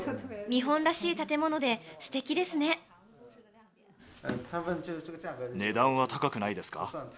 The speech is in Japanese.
日本らしい建物で、すてきで値段は高くないですか？